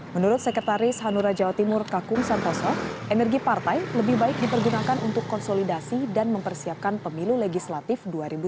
menurut sekretaris hanura jawa timur kakung santoso energi partai lebih baik dipergunakan untuk konsolidasi dan mempersiapkan pemilu legislatif dua ribu sembilan belas